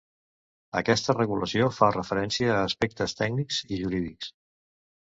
Aquesta regulació fa referència a aspectes tècnics i jurídics.